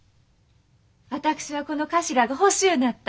私はこの頭が欲しゅうなった。